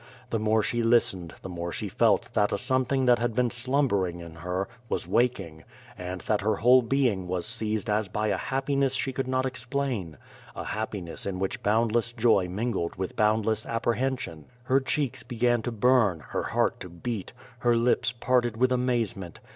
The more she listened the more she felt that a something that had been slumbering in her was wak ing, and that her whole being was seized as by a happiness she could not explain — ^a happiness in which boundless joy mingled with boundless apprehension. Her cheeks began to burn, her heart to beat, her lips parted with amazement.